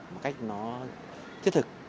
một cách nó thiết thực